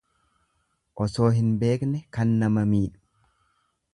Osoo hin beekne kan nama miidhu.